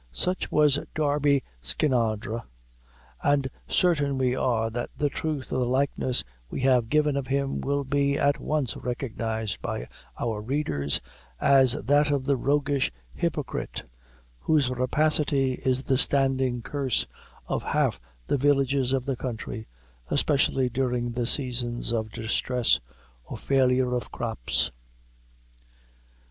Such was Darby Skinadre; and certain we are that the truth of the likeness we have given of him will be at once recognized by our readers as that of the roguish hypocrite, whose rapacity is the standing curse of half the villages of the country, especially during the seasons of distress, or failure of crops.